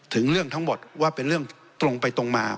ถึงเรื่องทั้งหมดว่าเป็นเรื่องตรงไปตรงมา